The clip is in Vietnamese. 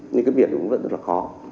nhưng cái việc cũng vẫn rất là khó